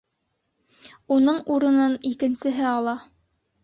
Уның урынын икенсеһе ала.